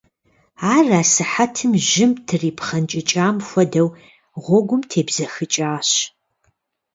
Ар асыхьэтым, жьым трипхъэнкӀыкӀам хуэдэу, гъуэгум тебзэхыкӀащ.